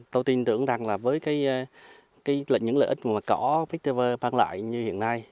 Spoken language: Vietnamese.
tôi tin tưởng rằng là với những lợi ích của cỏ vestiver vang lại như hiện nay